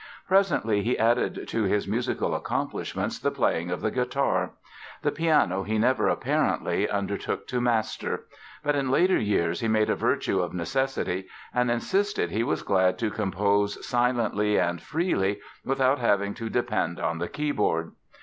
Presently he added to his musical accomplishments the playing of the guitar. The piano he never, apparently, undertook to master. But in later years he made a virtue of necessity and insisted he was glad to compose "silently and freely" without having to depend on the keyboard.